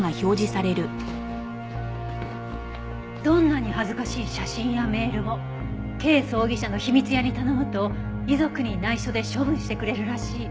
「どんなに恥ずかしい写真やメールもＫ葬儀社の“秘密屋”に頼むと遺族に内緒で処分してくれるらしい」